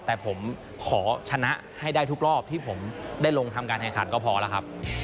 แต่ผมขอชนะให้ได้ทุกรอบที่ผมได้ลงทำการแข่งขันก็พอแล้วครับ